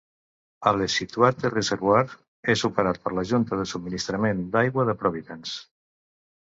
El Scituate Reservoir és operat per la Junta de Subministrament d'Aigua de Providence.